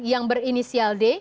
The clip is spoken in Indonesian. yang berinisial d